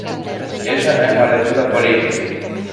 Esa é unha lectura política.